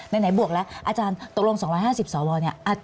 ไหนบวกแล้วอาจารย์ตกลง๒๕๐สวเนี่ย